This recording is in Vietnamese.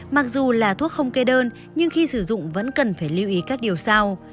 mặc dù là thuốc không kê đơn nhưng khi sử dụng vẫn cần phải lưu ý các điều sau